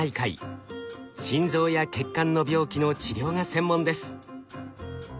心臓や血管の病気の治療が専門です。